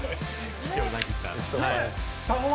貴重なギター。